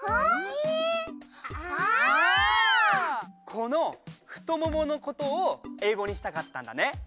このふともものことをえいごにしたかったんだね。